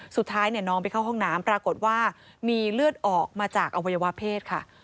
สุดท้ายน้องไปเข้าห้องน้ำปรากฏว่ามีเลือดออกมาจากอวัยวะเพศค่ะ